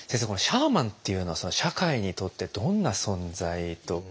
このシャーマンっていうのは社会にとってどんな存在と？